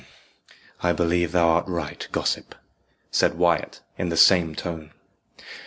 "I believe thou art right, gossip," said Wyat in the same tone.